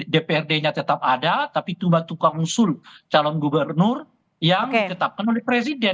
dprd nya tetap ada tapi cuma tukang usul calon gubernur yang ditetapkan oleh presiden